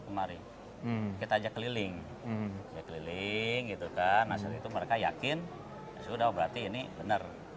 kemarin kita aja keliling keliling gitu kan asal itu mereka yakin sudah berarti ini bener